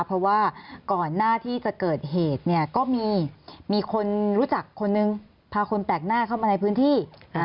เพราะว่าก่อนหน้าที่จะเกิดเหตุเนี่ยก็มีคนรู้จักคนนึงพาคนแปลกหน้าเข้ามาในพื้นที่